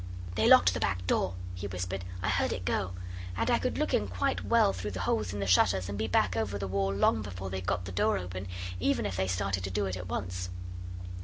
'They locked the back door,' he whispered, 'I heard it go. And I could look in quite well through the holes in the shutters and be back over the wall long before they'd got the door open, even if they started to do it at once.